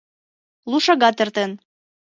Лу шагат эртен.